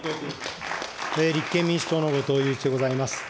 立憲民主党の後藤祐一でございます。